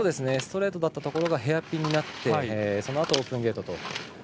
ストレートだったところがヘアピンになってそのあと、オープンゲートと。